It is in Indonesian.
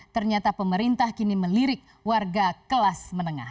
ternyata pemerintah kini melirik warga kelas menengah